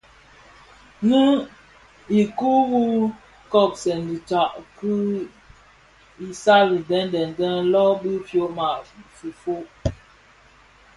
Nnè ikuu nwu kopsèn dhi tsak ki isal den denden lön bi fyoma fifog.